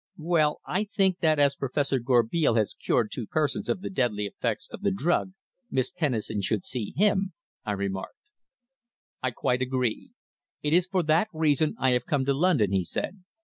"Well, I think that as Professor Gourbeil has cured two persons of the deadly effects of the drug Miss Tennison should see him," I remarked. "I quite agree. It is for that reason I have come to London," he said.